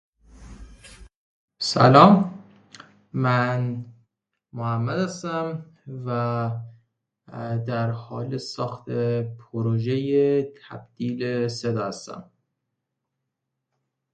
Esquire magazine called their Monte Cristo sandwich one of the best sandwiches in America.